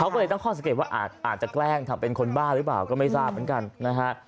ก็เลยตั้งข้อสังเกตว่าอาจจะแกล้งทำเป็นคนบ้าหรือเปล่าก็ไม่ทราบเหมือนกันนะฮะ